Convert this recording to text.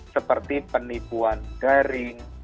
seperti penipuan daring